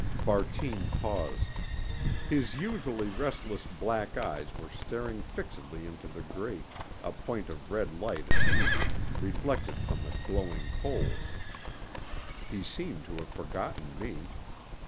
Bartine paused. His usually restless black eyes were staring fixedly into the grate, a point of red light in each, reflected from the glowing coals. He seemed to have forgotten me.